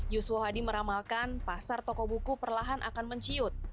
yusuf hadi meramalkan pasar toko buku perlahan akan menciut